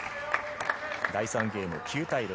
第３ゲーム、９対６。